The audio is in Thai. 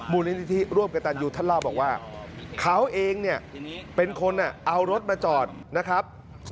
มูลนิธิร่วมกับตันยูท่านเล่าบอกว่าเขาเองเนี่ยเป็นคนเอารถมาจอดนะครับ